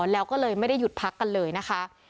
แล้วก็เลยไม่ได้หยุดพักกันเลยนะคะ